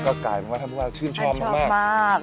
ก็กลายเป็นว่าถ้าผู้ชมมาก